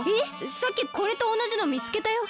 さっきこれとおなじのみつけたよ。